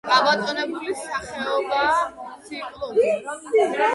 გაბატონებული სახეობაა ციკლოპი.